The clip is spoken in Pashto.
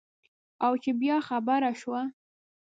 او چې بیا خبره شوه.